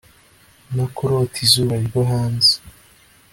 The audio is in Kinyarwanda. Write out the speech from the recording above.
no kurota izuba ryo hanze